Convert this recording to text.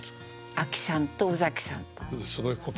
阿木さんと宇崎さんと。